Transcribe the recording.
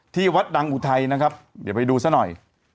ที่วัดดังอุทัยนะครับเดี๋ยวไปดูซะหน่อย